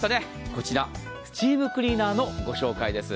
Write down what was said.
こちらスチームクリーナーのご紹介です。